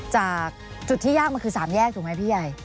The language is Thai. จากจุดที่ยากมันคือสามแยกถูกไหมหรือไม่พี่ใหญ่